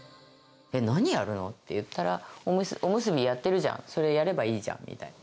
何やるのって言ったら、おむすびやってるじゃん、それやればいいじゃんみたいな。